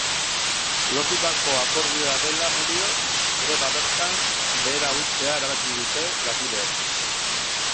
Lortutako akordioa dela medio, greba bertan behera uztea erabaki dute langileek.